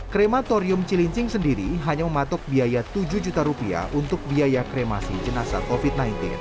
krematorium cilincing sendiri hanya mematok biaya tujuh juta rupiah untuk biaya kremasi jenazah covid sembilan belas